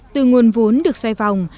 từ nguồn vốn được xoay vòng